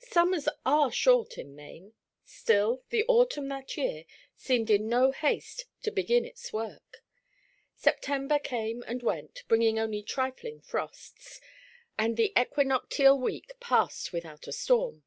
Summers are short in Maine; still the autumn that year seemed in no haste to begin its work. September came and went, bringing only trifling frosts, and the equinoctial week passed without a storm.